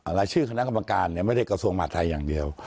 รายชื่อคณะกรรมการไม่ได้กระทรวงมหาดไทยอย่างเดียว